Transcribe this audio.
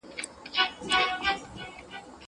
زه هره ورځ د کتابتون پاکوالی کوم؟!